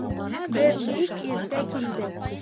Беҙ бик иртә килдек.